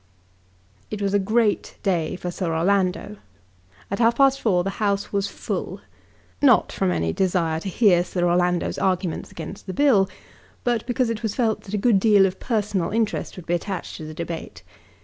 It was a great day for Sir Orlando. At half past four the House was full, not from any desire to hear Sir Orlando's arguments against the Bill, but because it was felt that a good deal of personal interest would be attached to the debate.